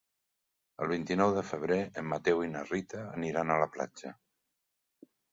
El vint-i-nou de febrer en Mateu i na Rita aniran a la platja.